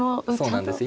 そうなんです